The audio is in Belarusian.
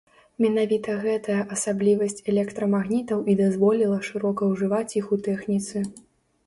Менавіта гэтая асаблівасць электрамагнітаў і дазволіла шырока ўжываць іх у тэхніцы.